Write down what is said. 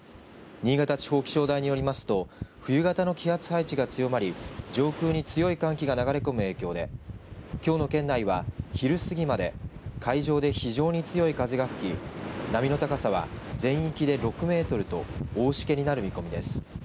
新潟地方気象台によりますと冬型の気圧配置が強まり上空に強い寒気が流れ込む影響できょうの県内は、昼過ぎまで海上で非常に強い風が吹き波の高さは全域で６メートルと大しけになる見込みです。